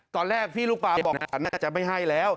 ตอนแรกพี่ลูกปลาตอดแบบนั้นจะไม่ให้แล้ว